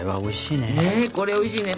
ねこれおいしいね